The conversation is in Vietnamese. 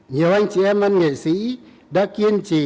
nhiều anh chị em văn nghệ sĩ đã kiên trì